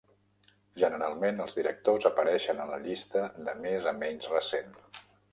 Generalment, els directors apareixen a la llista de més a menys recent.